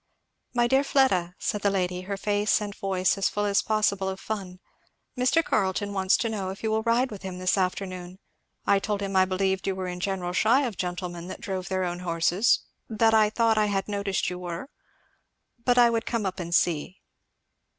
"My dear Fleda," said the lady, her face and voice as full as possible of fun, "Mr. Carleton wants to know if you will ride with him this afternoon. I told him I believed you were in general shy of gentlemen that drove their own horses that I thought I had noticed you were, but I would come up and see."